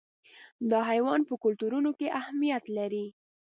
دا حیوان په کلتورونو کې اهمیت لري.